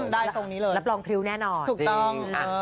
ได้ตรงนี้เลยรับรองพริ้วแน่นอนถูกต้อง